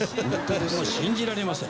もう信じられません。